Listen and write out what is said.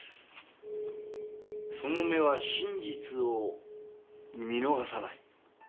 「その眼は真実を見逃さない」。